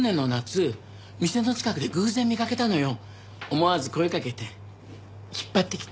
思わず声かけて引っ張ってきて。